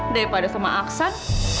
daripada sama aksan